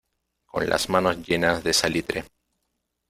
con las manos llenas de salitre.